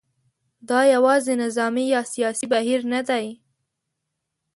دا یوازې نظامي یا سیاسي بهیر نه دی.